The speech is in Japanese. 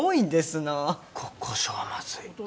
国交省はまずい。